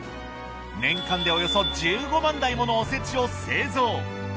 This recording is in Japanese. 年間でおよそ１５万台ものおせちを製造。